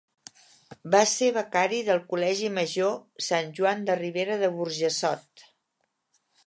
Va ser becari del Col·legi Major Sant Joan de Ribera de Burjassot.